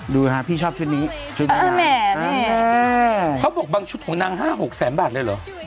ดูค่ะพี่ชอบชุดนี้ชุดแม่แม่แม่เขาบอกบางชุดของนางห้าหกแสนบาทเลยเหรอ